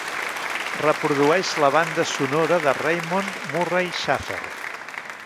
Reprodueix la banda sonora de Raymond Murray Schafer